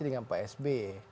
dengan pak sby